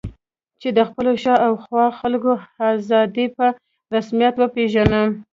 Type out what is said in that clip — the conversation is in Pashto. چې د خپلو شا او خوا خلکو آزادي په رسمیت وپېژنم.